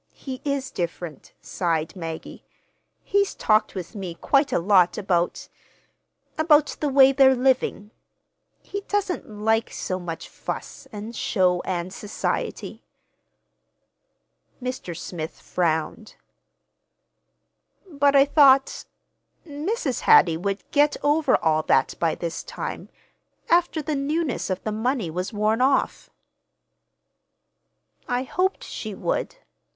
He is different," sighed Maggie. "He's talked with me quite a lot about—about the way they're living. He doesn't like—so much fuss and show and society." Mr. Smith frowned. "But I thought—Mrs. Hattie would get over all that by this time, after the newness of the money was worn off." "I hoped she would.